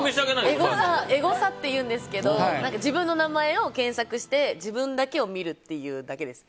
エゴサっていうんですけど自分の名前を検索して自分だけを見るっていうだけです。